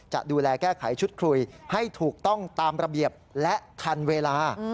จะดูแลแก้ไขชุดคุยให้ถูกต้องตามระเบียบและทันเวลา